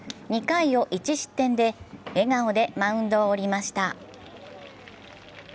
２回を１失点で笑顔でマウンドを降りました。